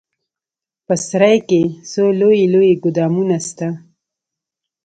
په سراى کښې څو لوى لوى ګودامونه سته.